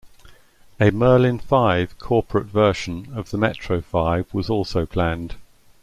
A Merlin Five corporate version of the Metro Five was also planned.